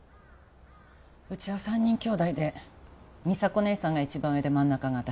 うちは３人きょうだいで美沙子姉さんが一番上で真ん中が私